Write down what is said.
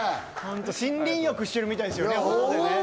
森林浴してるみたいですよね。